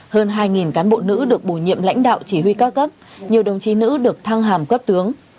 hơn hai cán bộ nữ được bổ nhiệm lãnh đạo chỉ huy cao cấp nhiều đồng chí nữ được thăng hàm cấp tướng